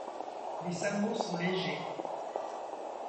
Les sabots sont légers.